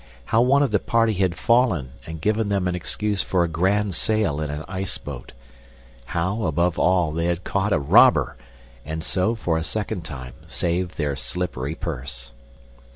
How one of the party had fallen and given them an excuse for a grand sail in an ice boat; how, above all, they had caught a robber and so, for a second time, saved their slippery purse.